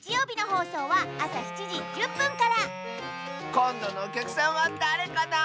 こんどのおきゃくさんはだれかな？